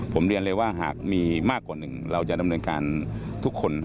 ผมเรียนเลยว่าหากมีมากกว่าหนึ่งเราจะดำเนินการทุกคน